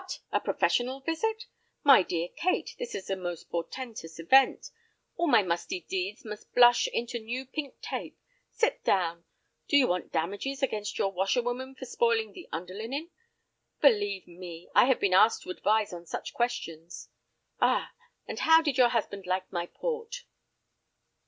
—a professional visit? My dear Kate, this is a most portentous event; all my musty deeds must blush into new pink tape. Sit down. Do you want damages against your washerwoman for spoiling the underlinen? Believe me—I have been asked to advise on such questions. Ah, and how did your husband like my port?"